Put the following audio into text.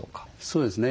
そうですね。